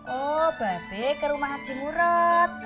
oh babe ke rumah haji murad